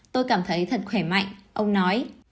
tôi cảm thấy thật khỏe mạnh ông nói